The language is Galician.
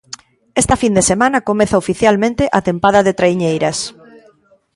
Esta fin de semana comeza oficialmente a tempada de traiñeiras.